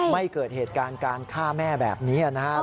ไม่เกิดเหตุการณ์การฆ่าแม่แบบนี้นะครับ